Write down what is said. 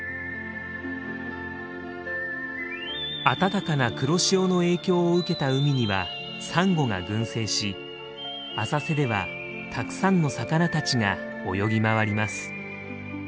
暖かな黒潮の影響を受けた海にはサンゴが群生し浅瀬ではたくさんの魚たちが泳ぎ回ります。